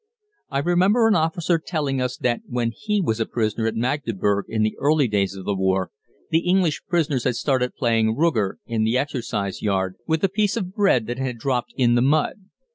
I remember an officer telling us that when he was a prisoner at Magdeburg in the early days of the war, the English prisoners had started playing rugger in the exercise yard with a piece of bread that had dropped in the mud.